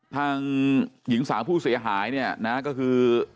ทางหญิงสาวผู้เสียหายเนี่ยนะก็คือ